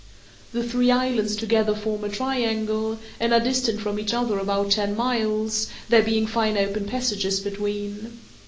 The three islands together form a triangle, and are distant from each other about ten miles, there being fine open passages between.